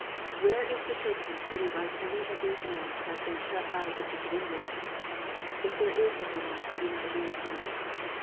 Where is the Churchman who would like any one of these men to have been shut out of the Church of England ? If there is such an one, I do not agree with him.